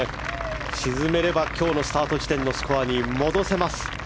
沈めれば今日のスタート地点のスコアに戻せます。